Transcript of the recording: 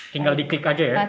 tinggal di kick aja ya